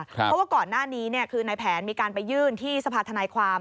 เพราะว่าก่อนหน้านี้คือในแผนมีการไปยื่นที่สภาธนายความ